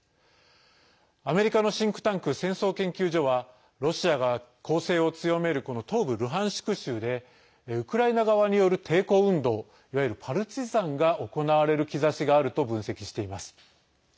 アメリカのシンクタンク戦争研究所はロシアが攻勢を強めるこの東部ルハンシク州でウクライナ側による抵抗運動いわゆるパルチザンが行われる兆しがあると分析しています。